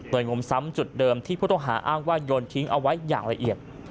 โดยงมซ้ำจุดเดิมที่ผู้ต้องหาอ้างว่าโยนทิ้งเอาไว้อย่างละเอียด